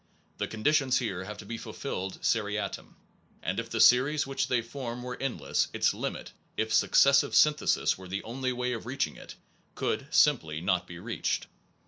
The conditions here have to be fulfilled seriatim; and if the series which they form were endless, its limit, if successive synthesis were the only way of reaching it, could simply not be reached.